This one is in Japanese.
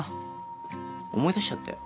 思い出しちゃったよ。